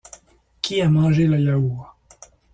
Qui a mangé le yaourt ?